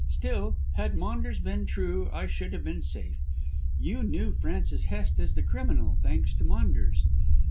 Still, had Maunders been true, I should have been safe. You knew Francis Hest as the criminal, thanks to Maunders.